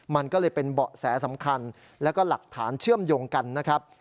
มันก็เลยเป็นเบาะแสสำคัญแล้วก็หลักฐานเชื่อมโยงกันนะครับ